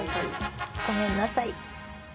ごめんなさい。